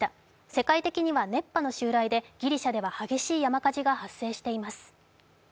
世界的には熱波の襲来でギリシャでは激しい山火事が発生しています。